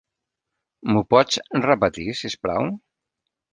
M'ho pots repetir, sisplau?